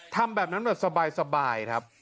ทำแบบนั้นแบบสบายครับ